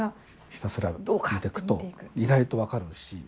ひたすら見ていくと意外と分かるし